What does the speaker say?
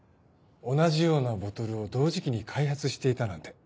同じようなボトルを同時期に開発していたなんて。